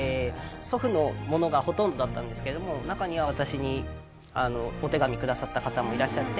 祖父のものがほとんどだったんですけれども中には私にお手紙くださった方もいらっしゃって。